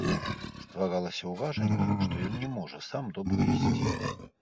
Стваралася ўражанне, што ён не можа сам добра ісці.